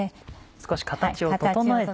少し形を整えて。